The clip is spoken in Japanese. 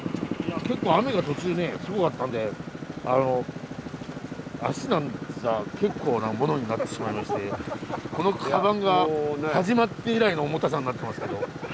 結構雨が途中ねすごかったんで足なんざ結構なものになってしまいましてこのカバンが始まって以来の重たさになってますけど。